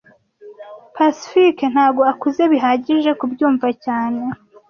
Pacifique ntago akuze bihagije kubyumva cyane